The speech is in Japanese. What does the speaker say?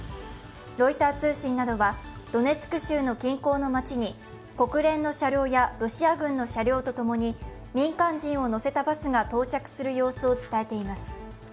ロイター通信などは、ドネツク州の近郊の街に国連の車両やロシア軍の車両とともに民間人を乗せたバスが到着する様子を伝えています。